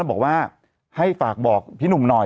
บอกว่าให้ฝากบอกพี่หนุ่มหน่อย